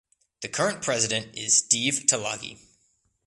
The current President is Deve Talagi.